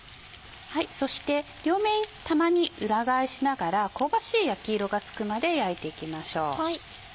そして両面たまに裏返しながら香ばしい焼き色がつくまで焼いていきましょう。